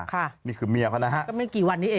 ค่ะก็ไม่ได้กี่วันนี้เองนี่คือเมียเขานะฮะ